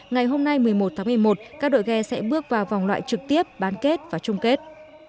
ngày hôm nay một mươi một tháng một mươi một các đội ghe sẽ bước vào vòng loại trực tiếp bán kết và chung kết